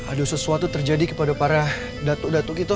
ada sesuatu terjadi kepada para datuk datuk kita